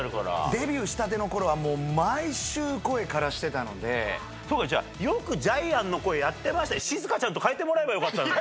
デビューしたてのころは、もう、毎週、そうか、よくジャイアンの声やってましたね、しずかちゃんと変えてもらえばよかったのに。